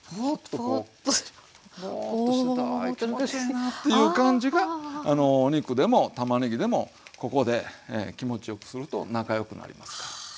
ぼっとしてたい気持ちええなっていう感じがあのお肉でもたまねぎでもここで気持ちよくすると仲良くなりますから。